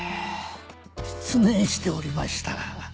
失念しておりました。